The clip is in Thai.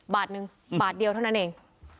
บาทนึงบาทเดียวเท่านั้นเอง